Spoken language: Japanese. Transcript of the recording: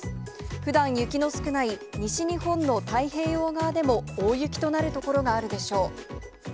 ふだん、雪の少ない西日本の太平洋側でも大雪となる所があるでしょう。